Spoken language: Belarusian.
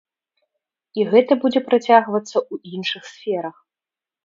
І гэта будзе працягвацца ў іншых сферах.